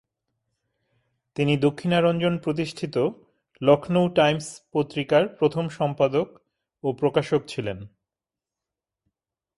তিনি দক্ষিণারঞ্জন প্রতিষ্ঠিত "লখনউ টাইমস্" পত্রিকার প্রথম সম্পাদক ও প্রকাশক ছিলেন।